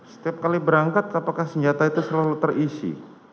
setiap kali berangkat apakah senjata itu selalu terisi